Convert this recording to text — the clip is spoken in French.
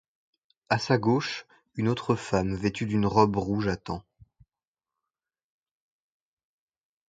À sa gauche, une autre femme vêtue d'une robe rouge attend.